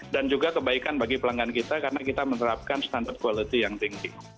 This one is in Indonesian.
dan juga kebaikan bagi pelanggan kita karena kita menerapkan standar quality yang tinggi